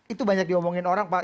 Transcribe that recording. itu banyak diomongin orang pak